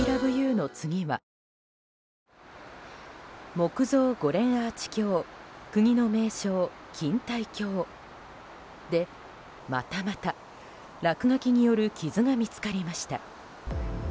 木造５連アーチ橋国の名勝、錦帯橋でまたまた、落書きによる傷が見つかりました。